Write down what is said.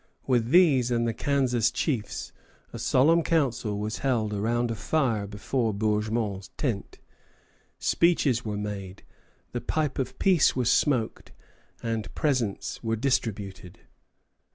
With these and the Kansas chiefs a solemn council was held around a fire before Bourgmont's tent; speeches were made, the pipe of peace was smoked, and presents were distributed.